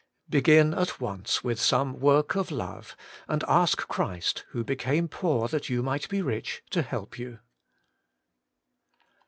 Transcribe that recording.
Begin at once with some work of love, and ask Christ, who became poor, that yon might be rich, to help you.